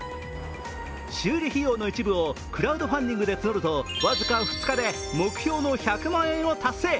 修理費用の一部をクラウドファンディングで募ると僅か２日で目標の１００万円を達成。